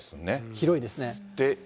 広いですね。